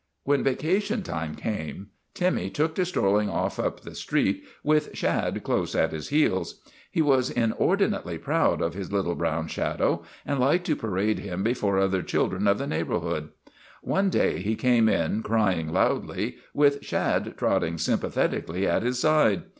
When vacation time came, Timmy took to stroll ing off up the street with Shad close at his heels. He was inordinately proud of his little brown shadow and liked to parade him before other chil dren of the neighborhood. One day he came in crying loudly, with Shad trotting sympathetically at his side.